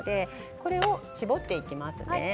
これを絞っていきますね。